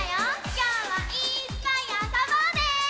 きょうはいっぱいあそぼうね！